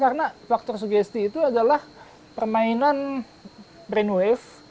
karena faktor sugesti itu adalah permainan brainwave